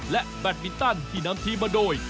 และแบตมินตันที่นำทีมมาโดย